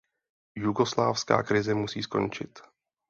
Jugoslávská krize musí skončit.